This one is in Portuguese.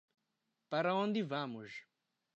Para onde vamos